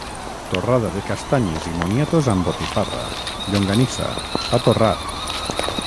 Torrada de castanyes i moniatos amb botifarra, llonganissa, pa torrat...